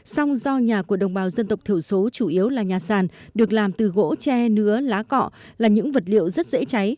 song do nhà của đồng bào dân tộc thiểu số chủ yếu là nhà sàn được làm từ gỗ tre nứa lá cọ là những vật liệu rất dễ cháy